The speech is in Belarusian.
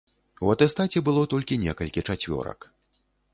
У атэстаце было толькі некалькі чацвёрак.